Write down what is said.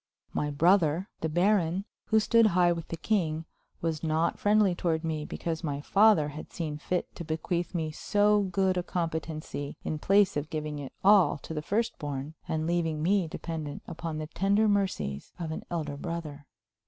My brother, the baron, who stood high with the king, was not friendly toward me because my father had seen fit to bequeath me so good a competency in place of giving it all to the first born and leaving me dependent upon the tender mercies of an elder brother.